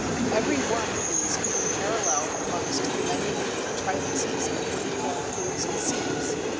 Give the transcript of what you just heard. Every one of these can be paralleled amongst the many neat contrivances of wind borne fruits and seeds.